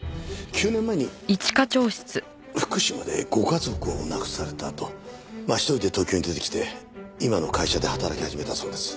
９年前に福島でご家族を亡くされたあと１人で東京に出てきて今の会社で働き始めたそうです。